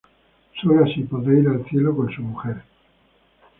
Sólo así podrá ir al cielo con su mujer.